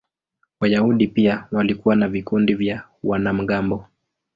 Wayahudi pia walikuwa na vikundi vya wanamgambo.